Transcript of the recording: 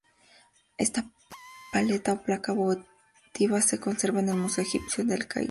Esta paleta o placa votiva se conserva en el Museo Egipcio de El Cairo.